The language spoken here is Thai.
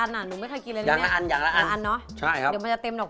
ลูกข้างในเกสหอดออก